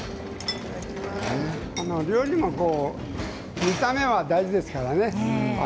料理も見た目は大事ですからね。